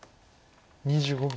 ２５秒。